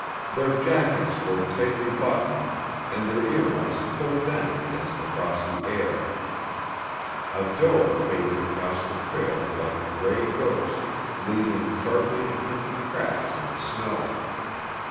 Their jackets were tightly buttoned and their earmuffs pulled down against the frosty air. A doe faded across the trail like a gray ghost, leaving sharply imprinted tracks in the snow.